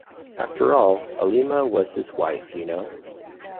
After all, Alima was his wife, you know.